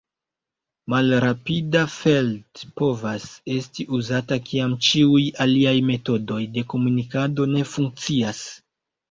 Malrapida feld povas esti uzata, kiam ĉiuj aliaj metodoj de komunikado ne funkcias.